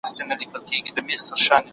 ټولنپوهنه د ټولنیزو قوو مطالعه ده.